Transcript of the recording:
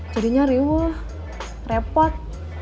jadinya riwuh repot